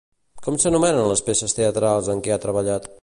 Com s'anomenen les peces teatrals en què ha treballat?